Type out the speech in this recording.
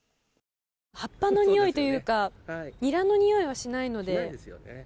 葉っぱのにおいというかニラのにおいはしないので。